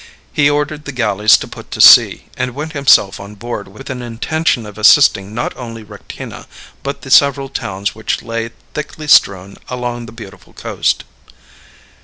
He ordered the galleys to put to sea, and went himself on board with an intention of assisting not only Rectina, but the several towns which lay thickly strewn along the beautiful coast.